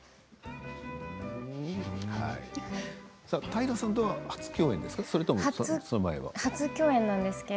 平さんとは初共演ですか？